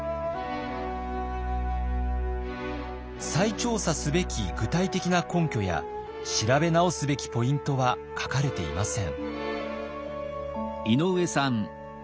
再調査すべき具体的な根拠や調べ直すべきポイントは書かれていません。